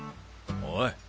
おい。